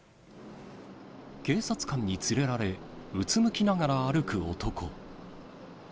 警察官に連れられ、うつむきながら歩く男。